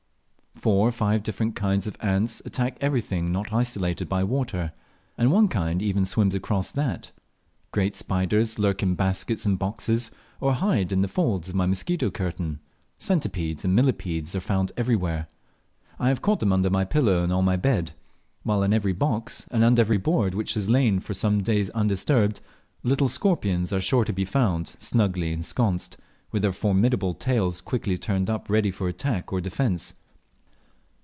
Four or five different kinds of ants attack everything not isolated by water, and one kind even swims across that; great spiders lurk in baskets and boxes, or hide in the folds of my mosquito curtain; centipedes and millepedes are found everywhere. I have caught them under my pillow and on my bead; while in every box, and under every hoard which has lain for some days undisturbed, little scorpions are sure to be found snugly ensconced, with their formidable tails quickly turned up ready for attack or defence.